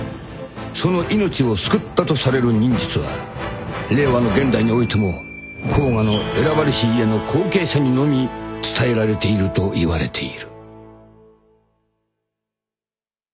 その命を救ったとされる忍術は令和の現代においても甲賀の選ばれし家の後継者にのみ伝えられているといわれている］